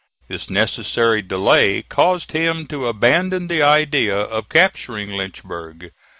This necessary delay caused him to abandon the idea of capturing Lynchburg.